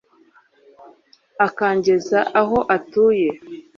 akangeza aho atuye